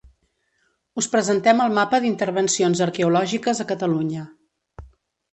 Us presentem el mapa d'intervencions arqueològiques a Catalunya.